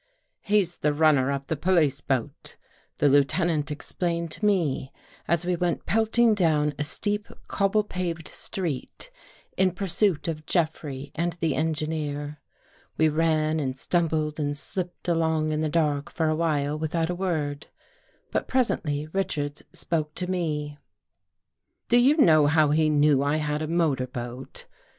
He's the runner of the police boat," the Lieutenant explained to me as we went pelting down a steep cobble paved street in pursuit of Jeffrey and the engineer. We ran and stumbled and slipped along in the dark for a while without a word. But presently Richards spoke to me. " Do you know how he knew I had a motor boat?